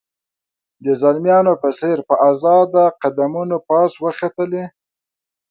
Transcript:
د زلمیانو په څېر په آزاده قدمونو پاس وختلې.